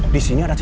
disini ada cctv